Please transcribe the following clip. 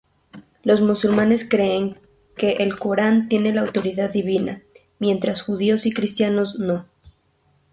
Los musulmanes creen que el Corán tiene autoridad divina, mientras judíos y cristianos no.